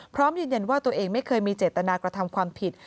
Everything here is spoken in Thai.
พร้อมยืนยันว่าตัวเองไม่เคยมีเจตนากระทำความผิด